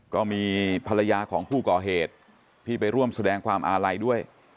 ก็มีภรรยาของผู้ก่อเหตุที่ไปร่วมแสดงความอาลัยด้วย